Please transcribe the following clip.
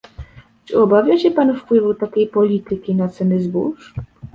Czy obawia się pan wpływu takiej polityki na ceny zbóż?